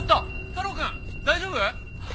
太郎くん大丈夫？